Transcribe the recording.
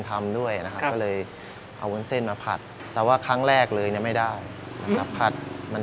ทำด้วยนะครับก็เลยเอาวุ้นเส้นมาผัดแต่ว่าครั้งแรกเลยเนี่ยไม่ได้นะครับผัดมัน